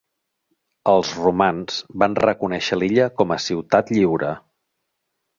Els romans van reconèixer l'illa com a ciutat lliure.